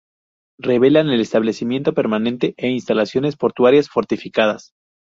Revelan el establecimiento permanente e instalaciones portuarias fortificadas.